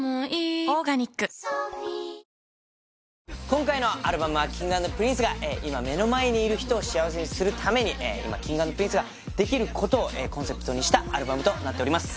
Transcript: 今回のアルバムはＫｉｎｇ＆Ｐｒｉｎｃｅが今目の前にいる人を幸せにするために今Ｋｉｎｇ＆Ｐｒｉｎｃｅができることをコンセプトにしたアルバムとなっております